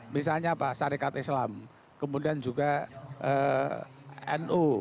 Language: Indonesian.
misalnya pak syarikat islam kemudian juga nu